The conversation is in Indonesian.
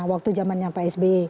waktu jamannya pak sbe